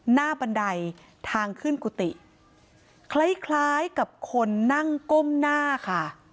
บันไดทางขึ้นกุฏิคล้ายกับคนนั่งก้มหน้าค่ะ